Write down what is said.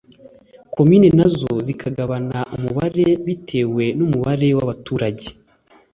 komine nazo zikagabana umubare bitewe n'umubare w'abaturage